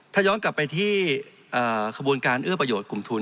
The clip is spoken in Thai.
ถ้าย้อนกลับไปที่ขบวนการเอื้อประโยชน์กลุ่มทุน